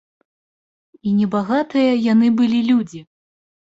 І небагатыя яны былі людзі.